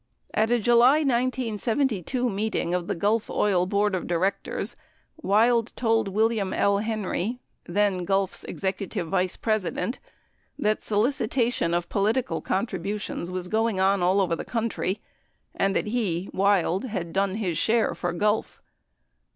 87 At a July 1972 meeting of the Gulf Oil board of directors, Wild told William L. Henry, then Gulf's executive vice president, that solicitation of political contributions was going on all over the country, and that he (Wild) had done his share for Gulf.